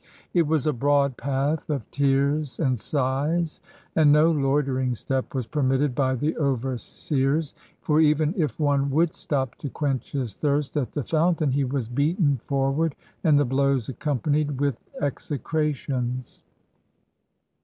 It was a broad path of tears and sighs, and no loitering step was permitted by the overseers; for even if one would stop to quench his thirst at the fountain, he was beaten forward, and the blows accompanied with exe crations.